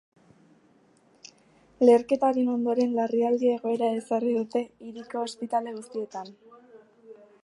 Leherketaren ondoren larrialdi egoera ezarri dute hiriko ospitale guztietan.